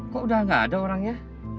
kok udah gak ada orangnya